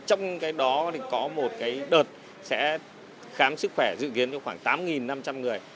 trong đó có một đợt sẽ khám sức khỏe dự kiến cho khoảng tám năm trăm linh người